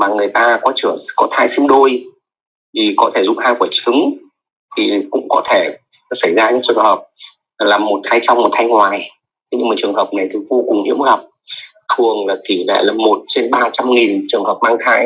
nhưng trường hợp này vô cùng hiếm gặp thường là một trên ba trăm linh trường hợp mang thai